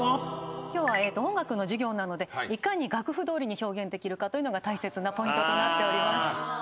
今日は音楽の授業なのでいかに楽譜どおりに表現できるかというのが大切なポイントとなっております。